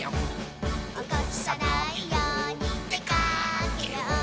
「おこさないようにでかけよう」